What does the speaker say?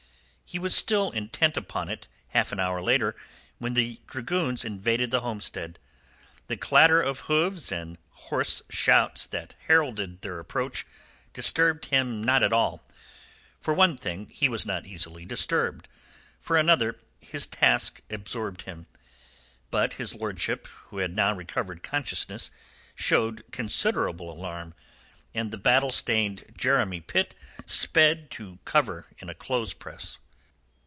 He was still intent upon it a half hour later when the dragoons invaded the homestead. The clatter of hooves and hoarse shouts that heralded their approach disturbed him not at all. For one thing, he was not easily disturbed; for another, his task absorbed him. But his lordship, who had now recovered consciousness, showed considerable alarm, and the battle stained Jeremy Pitt sped to cover in a clothes press.